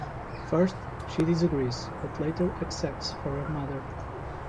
First she disagrees but later accepts for her mother.